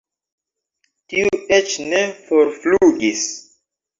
Tiu eĉ ne forflugis.